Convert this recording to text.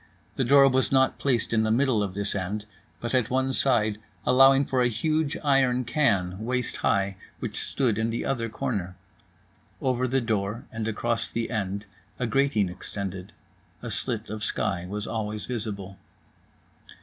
The door was not placed in the middle of this end, but at one side, allowing for a huge iron can waist high which stood in the other corner. Over the door and across the end, a grating extended. A slit of sky was always visible.